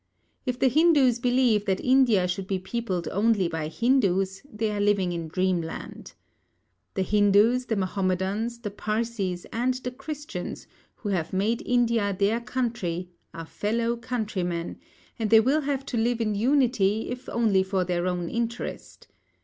If the Hindus believe that India should be peopled only by Hindus, they are living in dreamland. The Hindus, the Mahomedans, the Parsees and the Christians who have made India their country are fellow countrymen, and they will have to live in unity if only for their own interest.